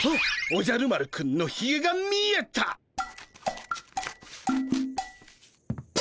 おじゃる丸くんのひげが見えたっ！